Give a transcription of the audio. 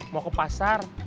mau ke pasar